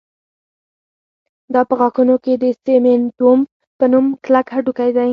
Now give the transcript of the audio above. دا په غاښونو کې د سېمنټوم په نوم کلک هډوکی دی